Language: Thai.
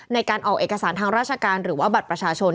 ในการออกเอกสารทางราชการหรือว่าบัตรประชาชน